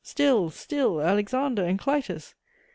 Still, still Alexander and Clytus!